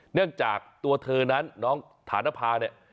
เนื่องจากตัวเธอนั้นน้องฐานภาเนี่ย